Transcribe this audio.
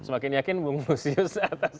semakin yakin bung fusius